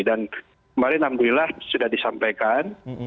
dan kemarin alhamdulillah sudah disampaikan